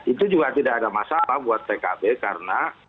itu juga tidak ada masalah buat pkb karena